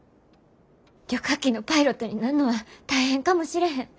旅客機のパイロットになんのは大変かもしれへん。